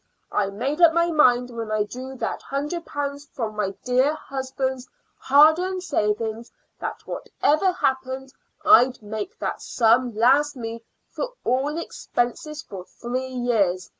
I made up my mind when I drew that hundred pounds from my dear husband's hard earned savings that, whatever happened, I'd make that sum last me for all expenses for three years.